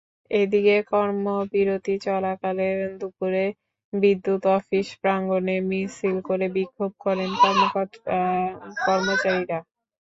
এদিকে কর্মবিরতি চলাকালে দুপুরে বিদ্যুৎ অফিস প্রাঙ্গণে মিছিল করে বিক্ষোভ করেন কর্মকর্তা-কর্মচারীরা।